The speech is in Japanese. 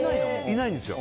いないんですよ